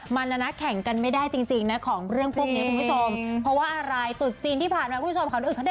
มันนะนะแข่งกันไม่ได้จริงนะของเรื่องพวกนี้คุณผู้ชม